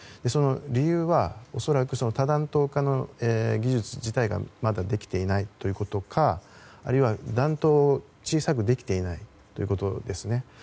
その理由は、恐らく多弾頭化の技術自体がまだできていないということかあるいは弾頭を小さくできていないということですね。